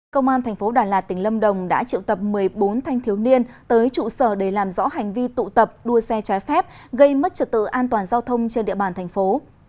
công an thành phố đà lạt tỉnh lâm đồng đã triệu tập một mươi bốn thanh thiếu niên tới trụ sở để làm rõ hành vi tụ tập đua xe trái phép gây mất trật tự an toàn giao thông trên địa bàn thành phố